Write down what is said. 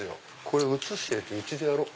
これ写して行って家でやろう。